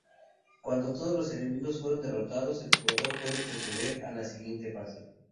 Cuando todos los enemigos fueron derrotados, el jugador puede proceder a la siguiente fase.